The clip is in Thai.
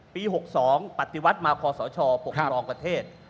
๖๒ปฏิวัติมาคอสชปกครองประเทศ